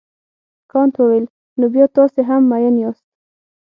کانت وویل نو بیا تاسي هم مین یاست.